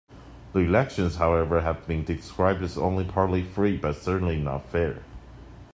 The elections however have been described as only partly free but certainly not fair.